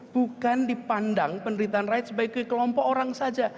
bukan dipandang penderitaan rakyat sebagai kelompok orang saja